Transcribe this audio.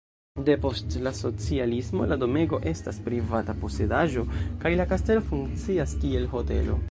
Depost la socialismo la domego estas privata posedaĵo kaj la kastelo funkcias kiel hotelo.